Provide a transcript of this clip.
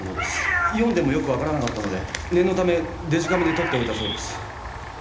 読んでもよく分からなかったので念のためデジカメで撮っておいたそうです。